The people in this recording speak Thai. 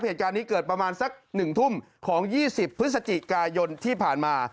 เหตุการณ์นี้เกิดประมาณสัก๑ทุ่มของ๒๐พฤศจิกายนที่ผ่านมา